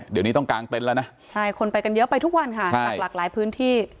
เดี๋ยวนี้ต้องกางเต็นต์แล้วนะใช่คนไปกันเยอะไปทุกวันค่ะจากหลากหลายพื้นที่